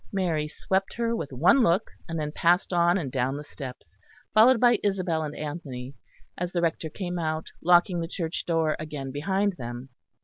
Mary swept her with one look, and then passed on and down the steps, followed by Isabel and Anthony, as the Rector came out, locking the church door again behind him.